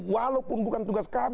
walaupun bukan pemerintah